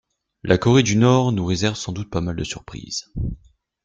La corée du Nord nous réserve sans doute pas mal de surprise.